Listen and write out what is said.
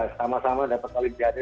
sama sama dapat kalimpiade